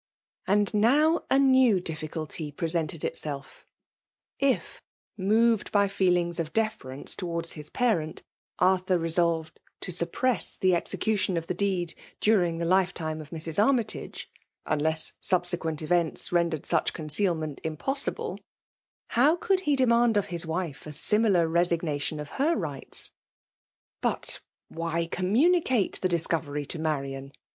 And now a new difficulty presented itseUl If, moved by feelings of deference towards his parent, Arthur resolved to suppress the execur tion of the deed during, the lifetime of Mrs. Army tage, (unless subsequent events rendered such concealment impossible,) how could he demand of his vdfe a similar resignation of her rights ? But why communicate the dis covery to Marian